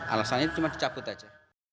alasannya cuma dicabut saja